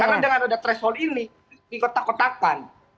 karena dengan ada threshold ini dikotak kotakan